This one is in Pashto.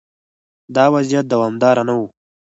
دا وضعیت دوامدار نه و.